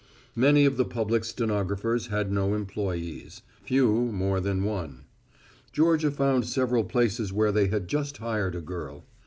Many of the public stenographers had no employes; few more than one. Georgia found several places where they had just hired a girl.